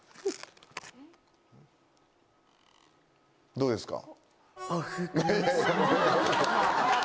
どうですか？